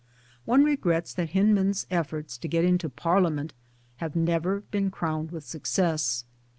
One regrets that Hyndman's efforts to get into Parliament have never been crowned with success.